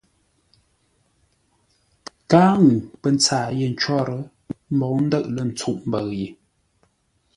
Káa ŋuu pə́ ntsâa yé ncwór, ə́ mbou ndə̂ʼ lə̂ ntsûʼ mbəʉ ye.